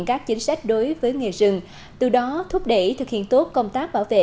các chính sách đối với nghề rừng từ đó thúc đẩy thực hiện tốt công tác bảo vệ